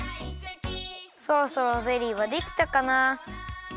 そろそろゼリーはできたかな。